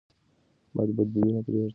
بد دودونه پرېږدئ.